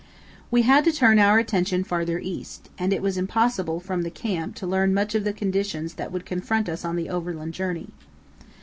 We had to turn our attention farther east, and it was impossible from the camp to learn much of the conditions that would confront us on the overland journey.